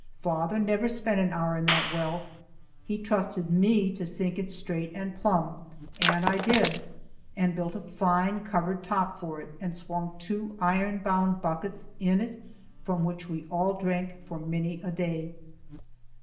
Father never spent an hour in that well. He trusted me to sink it straight and plumb, and I did, and built a fine covered top over it, and swung two iron bound buckets in it from which we all drank for many a day.